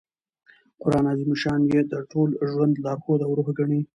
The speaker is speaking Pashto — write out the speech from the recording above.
قران عظیم الشان ئې د ټول ژوند لارښود او روح ګڼي.